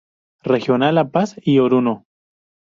Regional La Paz y Oruro.